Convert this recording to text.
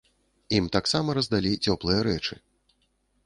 Ім таксама раздалі цёплыя рэчы.